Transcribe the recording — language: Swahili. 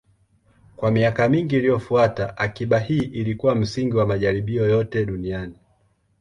Kwa miaka mingi iliyofuata, akiba hii ilikuwa msingi wa majaribio yote duniani.